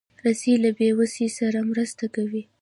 رسۍ له بېوسۍ سره مرسته کوي.